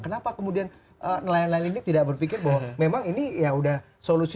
kenapa kemudian nelayan nelayan ini tidak berpikir bahwa memang ini ya udah solusi